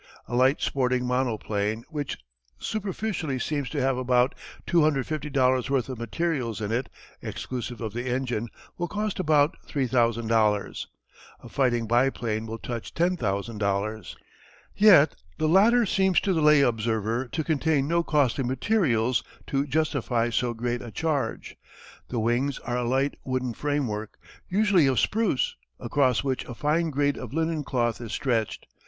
A light sporting monoplane which superficially seems to have about $250 worth of materials in it exclusive of the engine will cost about $3000. A fighting biplane will touch $10,000. Yet the latter seems to the lay observer to contain no costly materials to justify so great a charge. The wings are a light wooden framework, usually of spruce, across which a fine grade of linen cloth is stretched.